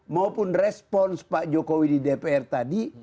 maupun respons pak jokowi di dpr tadi